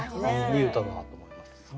いい歌だなと思います。